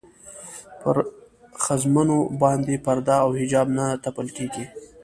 پر ښځمنو باندې پرده او حجاب نه تپل کېږي.